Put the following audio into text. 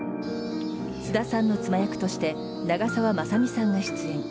菅田さんの妻役として長澤まさみさんが出演。